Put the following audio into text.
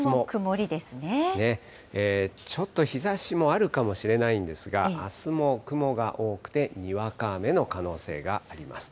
ちょっと日ざしもあるかもしれないんですが、あすも雲が多くてにわか雨の可能性があります。